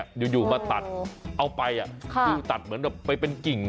อยู่มาตัดเอาไปคือตัดเหมือนแบบไปเป็นกิ่ง